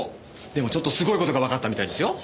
でもちょっとすごい事がわかったみたいですよ。